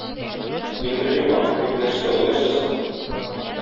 Мин белмим аны, юк нәрсә - ул нәрсә соң?